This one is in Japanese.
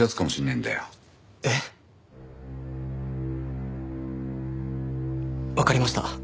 えっ！？わかりました。